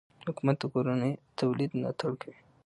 حکومت د کورني تولید ملاتړ کوي.